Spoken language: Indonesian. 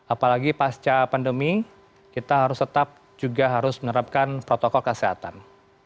apalagi pasca pandemi kita harus tetap juga harus menerapkan protokol kesehatan